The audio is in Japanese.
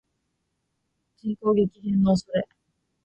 人口激減の恐れ